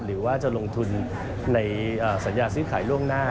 หรือว่าจะลงทุนในสัญญาซื้อขายล่วงหน้า